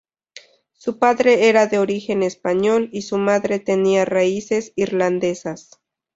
Su padre era de origen español y su madre tenía raíces irlandesas.